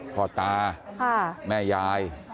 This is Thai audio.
พ่อตาแม่ยาย